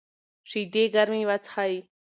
شیدې ګرمې وڅښئ.